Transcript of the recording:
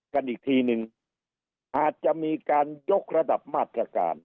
กันอีกทีนึงอาจจะมีการยกระดับมาตรการ